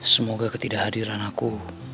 semoga ketidakhadiran aku